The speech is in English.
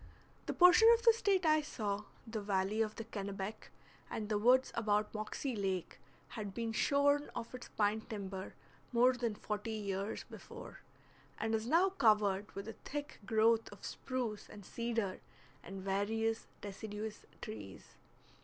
The portion of the State I saw the valley of the Kennebec and the woods about Moxie Lake had been shorn of its pine timber more than forty years before, and is now covered with a thick growth of spruce and cedar and various deciduous trees.